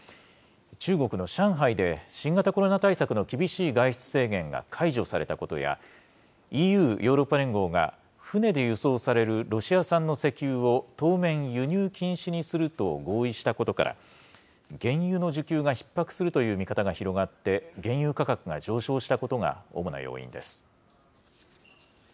中国の上海で、新型コロナ対策の厳しい外出制限が解除されたことや、ＥＵ・ヨーロッパ連合が、船で輸送されるロシア産の石油を当面輸入禁止にすると合意したことから、原油の需給がひっ迫するという見方が広がって、原油価格が上昇したことが主な要因です。